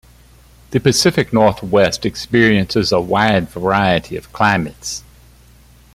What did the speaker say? The Pacific Northwest experiences a wide variety of climates.